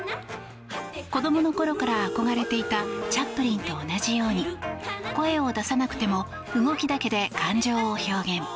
子どもの頃から憧れていたチャップリンと同じように声を出さなくても動きだけで感情を表現。